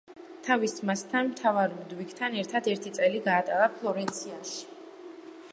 თავის ძმასთან, მთავარ ლუდვიგთან ერთად ერთი წელი გაატარა ფლორენციაში.